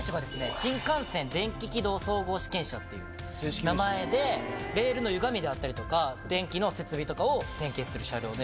新幹線電気軌道総合試験車っていう名前でレールのゆがみであったりとか電気の設備とかを点検する車両で。